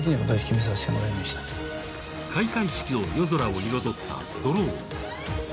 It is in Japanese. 開会式の夜空を彩ったドローン。